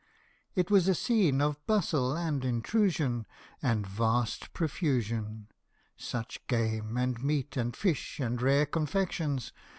It was a scene of bustle and intrusion, And vast profusion Such game, and meat, and fish, and rare confections